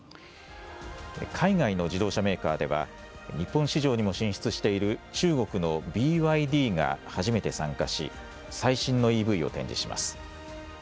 海外の自動車メーカーでは、日本市場にも進出している中国のＢＹＤが初めて参加し、最新のＥＶを展示します。